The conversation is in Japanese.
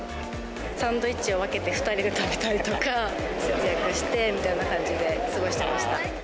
サンドイッチを分けて２人で食べたりとか、節約してみたいな感じで、過ごしてました。